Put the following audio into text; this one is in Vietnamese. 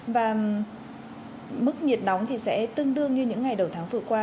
và mức nhiệt nóng thì sẽ tương đương như những ngày đầu tháng vừa qua